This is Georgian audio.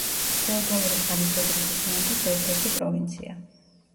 ფეოდალური ხანის ეგრისის სამეფოს ერთ-ერთი პროვინცია.